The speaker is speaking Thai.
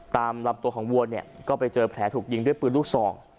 ตามลำตัวของวัวเนี่ยก็ไปเจอแผลถูกยิงด้วยปืนลูกซอง